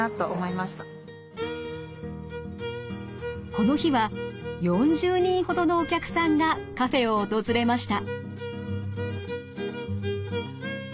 この日は４０人ほどのお客さんがカフェを訪れました。